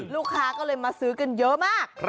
ลูกค้าก็เลยมาซื้อกันเยอะมาก